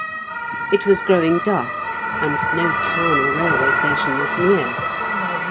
It was growing dusk, and no town or railway station was near.